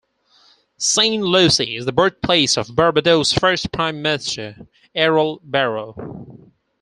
Saint Lucy is the birthplace of Barbados's first Prime Minister, Errol Barrow.